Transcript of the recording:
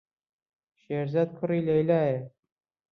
شێرزاد کوڕی لەیلایە.